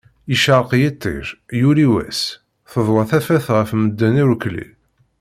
Yecreq yiṭij, yuli wass, teḍwa tafat ɣef medden irkulli.